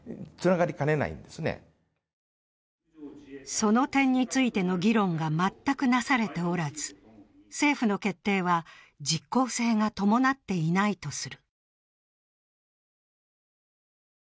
その点についての議論が全くなされておらず、政府の決定は実効性が伴っていないとする。